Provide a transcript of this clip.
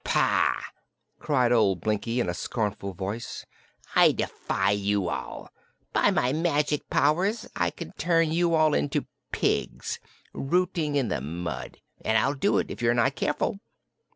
"Pah!" cried old Blinkie in a scornful voice. "I defy you all! By my magic powers I can turn you all into pigs, rooting in the mud, and I'll do it if you are not careful."